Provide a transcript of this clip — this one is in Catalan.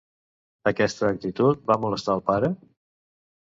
Aquesta actitud va molestar al pare?